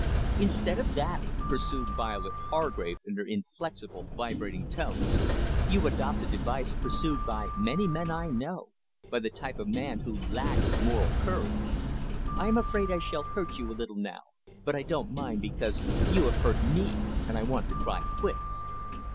"Instead of that," pursued Violet Hargrave in her inflexible, vibrating tones, "you adopt a device pursued by many men I know, by the type of man who lacks moral courage. I am afraid I shall hurt you a little now, but I don't mind because you have hurt me, and I want to cry quits.